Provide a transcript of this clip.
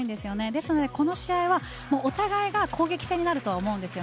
ですので、この試合はお互い攻撃戦になると思います。